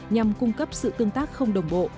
nhằm cung cấp sự tương tác không đồng bộ